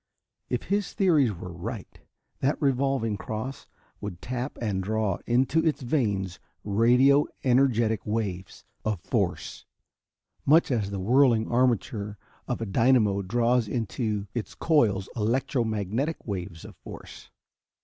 If his theories were right, that revolving cross would tap and draw into its vanes radio energetic waves of force, much as the whirling armature of a dynamo draws into its coils electro magnetic waves of force.